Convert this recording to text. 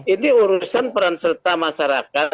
ini urusan peran serta masyarakat